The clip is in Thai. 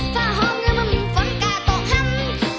ฝ่ามนอนมีฟ้นกาต่อข้ำ